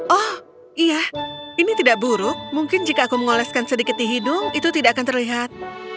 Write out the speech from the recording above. oh iya ini tidak buruk mungkin jika aku mengoleskan sedikit di hidung itu tidak akan terlihat